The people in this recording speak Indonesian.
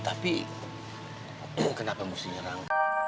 tapi kenapa mesti nyerang